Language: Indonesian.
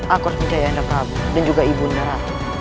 aku harus mencari anda prabu dan juga ibu ndara